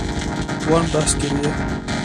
Wan behs kiriye.